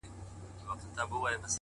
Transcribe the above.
اوس عجيبه جهان كي ژوند كومه،